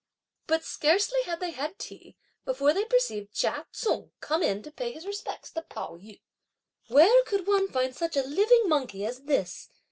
But scarcely had they had tea, before they perceived Chia Tsung come in to pay his respects to Pao yü. "Where could one find such a living monkey as this!"